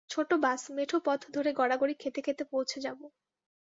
ছোট বাস, মেঠো পথ ধরে গড়াগড়ি খেতে খেতে পৌঁছে যাবো।